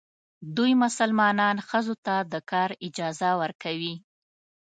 دوی مسلمانان ښځو ته د کار اجازه ورکوي.